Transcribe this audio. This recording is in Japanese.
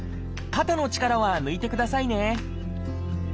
肩の力は抜いてくださいね。